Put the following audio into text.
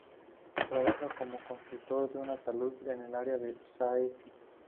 Trabajaba como consultor de salud en el área de Seattle.